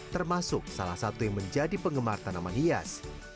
termasuk salah satu yang menjadi penggemar tanaman hias